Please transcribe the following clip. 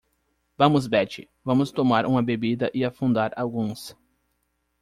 Vamos Betty? vamos tomar uma bebida e afundar alguns.